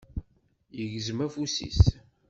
Yegzem afus-is.